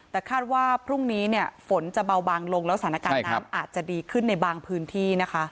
แต่คาดว่าพรุ่งนี้ฝนจะเบาบางลงแล้วสถานการณ์น้ำอาจจะดีขึ้นในบางพื้นที่นะคะ